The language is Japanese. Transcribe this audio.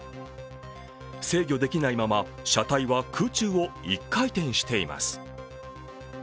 制御できないまま車体は空中を一回転しています。